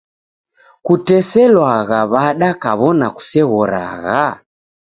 Kuteselwagha w'ada kaw'ona kuseghoragha?